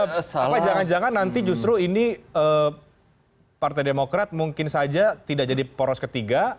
apa jangan jangan nanti justru ini partai demokrat mungkin saja tidak jadi poros ketiga